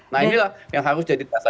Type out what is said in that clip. nah inilah yang harus jadi dasar